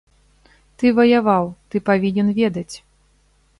Ты ваяваў, ты павінен ведаць.